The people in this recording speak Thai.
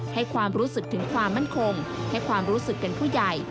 ให้ความรู้สึกถึงความมั่นคงให้ความรู้สึกเป็นผู้ใหญ่